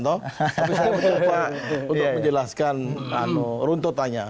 habis itu mencoba untuk menjelaskan runtutannya